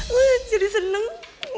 wah jadi seneng